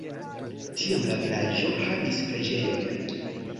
Tiam la vilaĝo havis preĝejon.